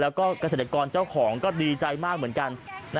แล้วก็เกษตรกรเจ้าของก็ดีใจมากเหมือนกัน